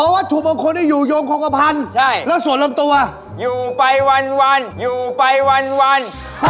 ให้ยกมือเข้าไปเพราะนี่คือการปลุ้น